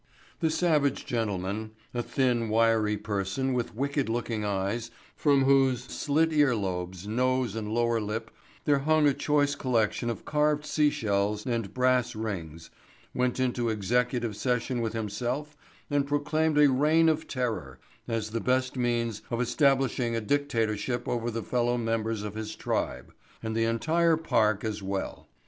The savage gentleman—a thin, wiry person with wicked looking eyes from whose slit ear lobes, nose and lower lip there hung a choice collection of carved sea shells and brass rings, went into executive session with himself and proclaimed a Reign of Terror as the best means of establishing a dictatorship over the fellow members of his tribe, and the entire park as well.